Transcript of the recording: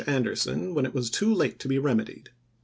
Anderson when it was i864. too late to be remedied.